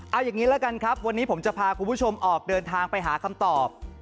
เอาอย่างนี้ละกันครับวันนี้ผมจะพาคุณผู้ชมออกเดินทางไปหาคำตอบ